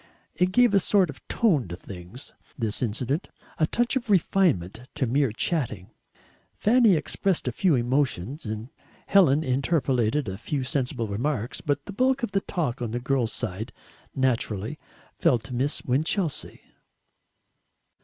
It gave a sort of tone to things, this incident a touch of refinement to mere chatting. Fanny expressed a few emotions, and Helen interpolated a few sensible remarks, but the bulk of the talk on the girls' side naturally fell to Miss Winchelsea.